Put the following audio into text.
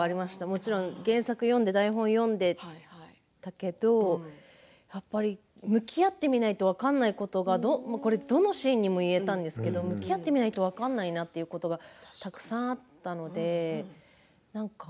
もちろん原作を読んで台本を読んでいたけどやっぱり向き合ってみないと分かんないことがこれ、どのシーンにも言えたんですが向き合ってみないと分かんないなというのがたくさんあったので。